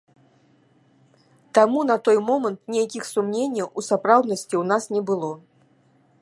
Таму на той момант нейкіх сумненняў у сапраўднасці ў нас не было.